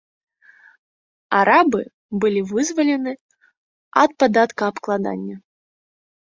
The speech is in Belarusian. Арабы былі вызвалены ад падаткаабкладання.